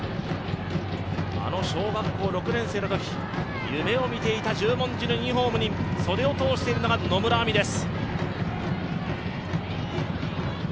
あの小学校６年生のとき夢を見ていた十文字のユニフォームに袖を通しているのが野村亜未です。